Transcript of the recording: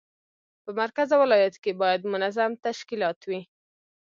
په مرکز او ولایاتو کې باید منظم تشکیلات وي.